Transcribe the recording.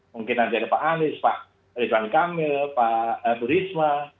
mungkin nanti ada pak anies pak ridwan kamil pak bu risma